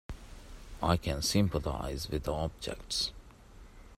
I can sympathize with the objects.